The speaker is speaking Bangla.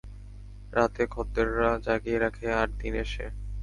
রাতে খদ্দেররা জাগিয়ে রাখে আর দিনে সে!